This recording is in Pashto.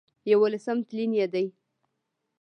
يوولسم تلين يې دی